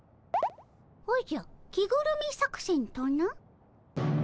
おじゃ着ぐるみ作戦とな？